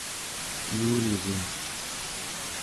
yuulgun